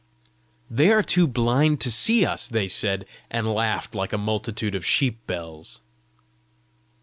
"They are too blind to see us," they said, and laughed like a multitude of sheep bells.